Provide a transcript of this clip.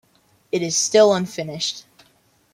It is still unfinished.